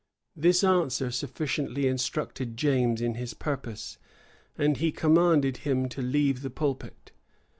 This answer sufficiently instructed James in his purpose; and he commanded him to leave the pulpit.